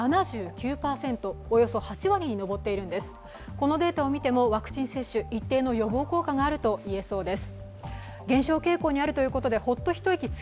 このデータを見てもワクチン接種一定の予防効果があるといえそうです。